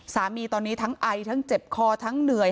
สามีตอนนี้ทั้งไอทั้งเจ็บคอทั้งเหนื่อย